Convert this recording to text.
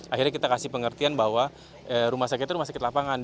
akhirnya kita kasih pengertian bahwa rumah sakit itu rumah sakit lapangan